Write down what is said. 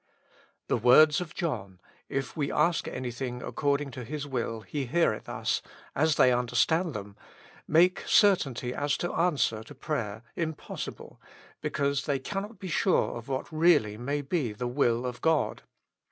The words of John, If we ask anything accordi7ig to His zvill, He heareth us," as they understand them, make certainty as to answer to prayer impossible, because they cannot be sure of what really may be the will of God.